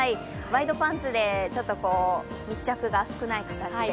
ワイドパンツでちょっと密着が少ない形で。